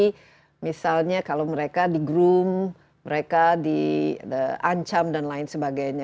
atau mengenali misalnya kalau mereka di groom mereka di ancam dan lain sebagainya